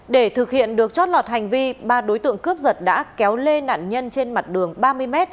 để thực hiện được chót lọt hành vi ba đối tượng cướp giật đã kéo lê nạn nhân trên mặt đường ba mươi m